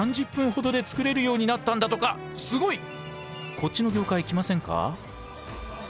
こっちの業界来ませんか？